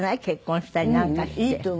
結婚したりなんかして。